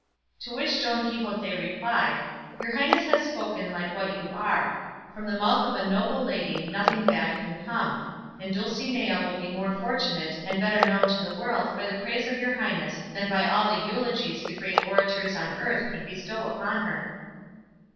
To which Don Quixote replied, "Your highness has spoken like what you are; from the mouth of a noble lady nothing bad can come; and Dulcinea will be more fortunate, and better known to the world by the praise of your highness than by all the eulogies the greatest orators on earth could bestow upon her."